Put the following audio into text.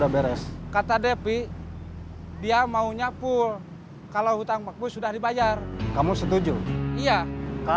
buat hiburan aja